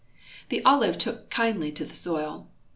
The olive took kindly to the soil.